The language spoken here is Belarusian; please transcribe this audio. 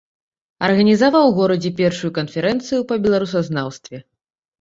Арганізаваў у горадзе першую канферэнцыю па беларусазнаўстве.